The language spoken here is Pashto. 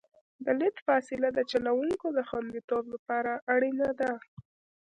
د لید فاصله د چلوونکي د خوندیتوب لپاره اړینه ده